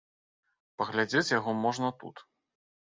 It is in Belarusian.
Паглядзець яго можна тут.